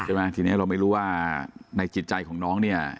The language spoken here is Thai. ใช่ไหมทีนี้เราไม่รู้ว่าในจิตใจของน้องเนี่ย